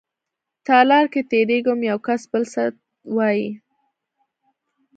تالار کې تېرېږم يوکس بل ته څه وايي.